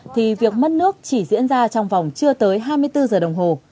thì việc mất nước chỉ diễn ra trong vòng chưa tới hai mươi bốn giờ đồng hồ